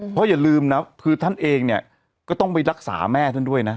เพราะอย่าลืมนะคือท่านเองเนี่ยก็ต้องไปรักษาแม่ท่านด้วยนะ